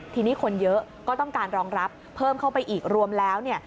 ทีนี้คนเยอะก็ต้องการรองรับเพิ่มเข้าไปอีกรวมแล้วเนี่ย